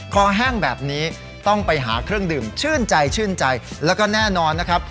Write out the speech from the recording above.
แห้งแบบนี้ต้องไปหาเครื่องดื่มชื่นใจชื่นใจแล้วก็แน่นอนนะครับ